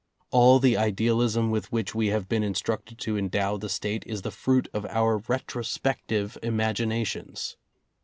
All the idealism with which we have been instructed to endow the State is the fruit of our retrospective imaginations.